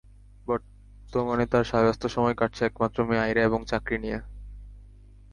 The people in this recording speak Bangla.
বর্তমানে তাঁর ব্যস্ত সময় কাটছে একমাত্র মেয়ে আইরা এবং চাকরি নিয়ে।